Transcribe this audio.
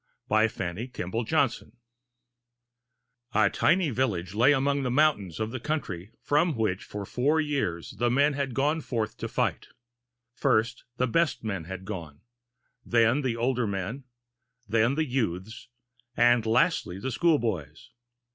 ] BY FANNY KEMBLE JOHNSON From The Pagan A TINY village lay among the mountains of a country from which for four years the men had gone forth to fight. First the best men had gone, then the older men, then the youths, and lastly the school boys.